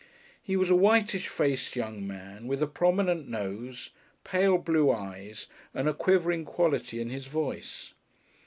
He was a whitish faced young man with a prominent nose, pale blue eyes, and a quivering quality in his voice.